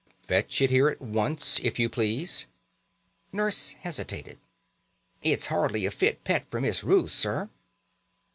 "Fetch it here at once, if you please." Nurse hesitated. "It's hardly a fit pet for Miss Ruth, sir."